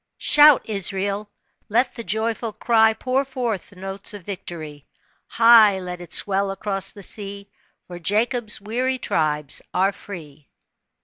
" Shout, Israel. Let the joyful cry Pour forth the notes of victory, High let it swell across the sea, For Jacob's weary tribes are free."